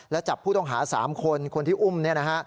และจับผู้ต้องหา๓คนคนที่อุ้มเนี่ยนะฮะ